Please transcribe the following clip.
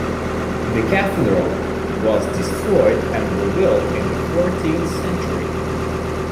The cathedral was destroyed and rebuilt in the fourteenth century.